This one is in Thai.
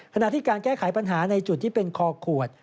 ขณะที่การแก้ไขปัญหาในจุดที่เป็นคอขวด